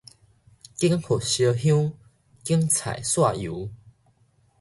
揀佛燒香，揀菜撒油